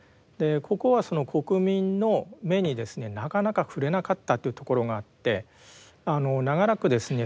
ここはその国民の目にですねなかなか触れなかったっていうところがあって長らくですね